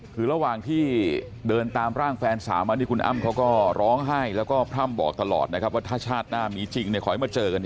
คือระหว่างที่เดินตามร่างแฟนสาวมาที่คุณอ้ำเขาก็ร้องไห้แล้วก็พร่ำบอกตลอดนะครับว่าถ้าชาติหน้ามีจริงขอให้มาเจอกัน